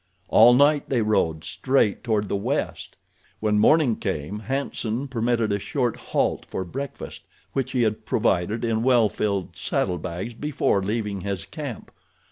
All night they rode, straight toward the west. When morning came, Hanson permitted a short halt for breakfast, which he had provided in well filled saddle bags before leaving his camp.